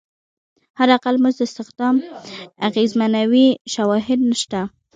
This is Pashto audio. حداقل مزد استخدام اغېزمنوي شواهد نشته.